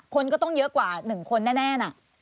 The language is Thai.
คนก็ต้องเยอะกว่าหนึ่งคนแน่น่ะ